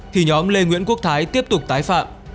thì nhóm lê nguyễn quốc thái tiếp tục tái phạm